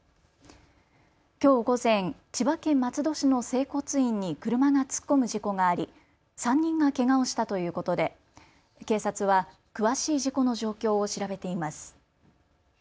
きょう午前、千葉県松戸市の整骨院に車が突っ込む事故があり３人がけがをしたということで警察は詳しい事故の状況を調べています。